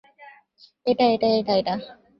এটা, এটা, এটা, এটা।